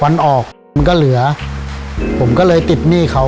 วันออกมันก็เหลือผมก็เลยติดหนี้เขา